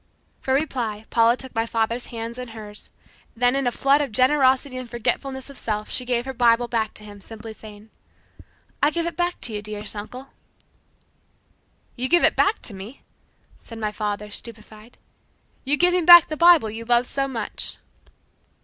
For reply Paula took my father's hands in hers, then in a flood of generosity and forgetfulness of self she gave her Bible back to him, simply saying, "I give it back to you, dearest uncle!" "You give it back to me!" said my father, stupefied, "You give me back the Bible you loved so much!"